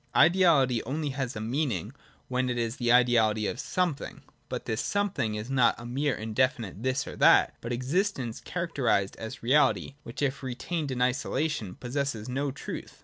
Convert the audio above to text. Ideality only has a meaning when it is the ideality of something : but this something is not a mere indefinite this or that, but existence characterised as reality, which, if retained in isolation, possesses no truth.